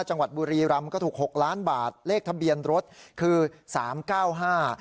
จังหวัดบุรีรำก็ถูกหกล้านบาทเลขทะเบียนรถคือสามเก้าห้า